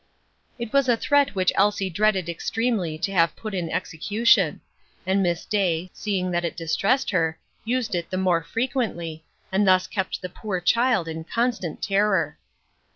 It was a threat which Elsie dreaded extremely to have put in execution, and Miss Day, seeing that it distressed her, used it the more frequently, and thus kept the poor child in constant terror.